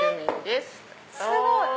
すごい！